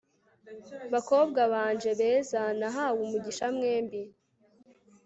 bakobwa banje beza, nahawe umugisha mwembi ..